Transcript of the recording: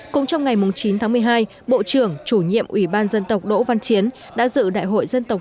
cũng trong ngày chín tháng một mươi hai bộ trưởng chủ nhiệm ủy ban dân tộc đỗ văn chiến đã dự đại hội dân tộc